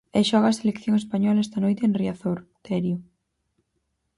E xoga a selección española esta noite en Riazor, Terio.